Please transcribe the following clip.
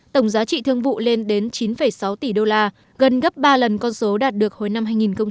tổng giá trị thương vụ lên đến chín sáu tỷ đô la gần gấp ba lần con số đạt được hồi năm hai nghìn một mươi chín